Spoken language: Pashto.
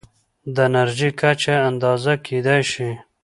د انرژۍ کچه اندازه کېدای شي.